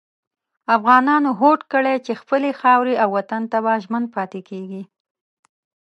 افغانانو هوډ کړی چې خپلې خاورې او وطن ته به ژمن پاتې کېږي.